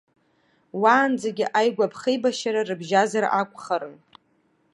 Уаанӡагьы аигәаԥхеибашьара рыбжьазар акәхарын.